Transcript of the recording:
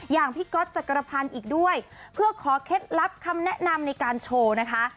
อย่างพี่ก๊อตจักรพันธ์อีกด้วยเพื่อขอเคล็ดลับคำแนะนำในการโชว์นะคะ